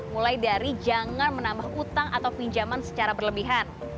mulai dari jangan menambah utang atau pinjaman secara berlebihan